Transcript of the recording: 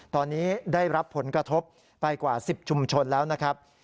ตอนนี้ได้รับผลกระทบไปกว่า๑๐ชุมชนแล้วนะครับ